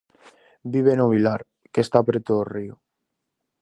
Vive no vilar que está preto do río.